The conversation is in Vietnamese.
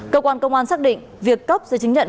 cơ quan công an xác định việc cấp giấy chứng nhận